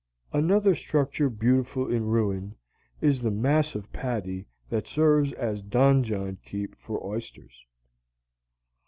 Another structure beautiful in ruin is the massive patty that serves as donjon keep for oysters.